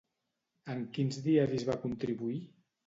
En quins diaris va contribuir?